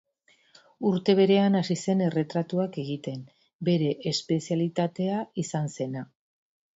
Urte berean hasi zen erretratuak egiten, bere espezialitatea izan zena.